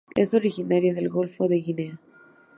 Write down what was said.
Es originaria del Golfo de Guinea.